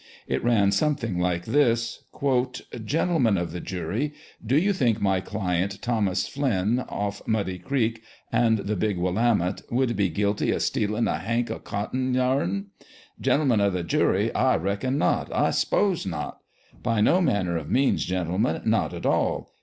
It ran something like this: " Gentlemen of the Jury, do /ou ihink my client Thomas Flinn, off Muddy Creek and the Big Willamette, would be guilty o' stealin' a hank o' cottiug yarn ? Gentlemen of the Jury, I reckon not, I s'pose not. By no manner of means, gentlemen, not at all!